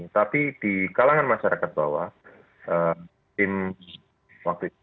tapi di kalangan masyarakat bowo